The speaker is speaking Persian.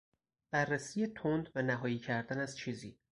بررسی تند و نهایی کردن از چیزی